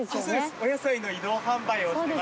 お野菜の移動販売をしてまして。